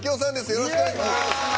よろしくお願いします。